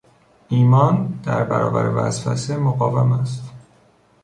ایمان در برابر وسوسه مقاوم است.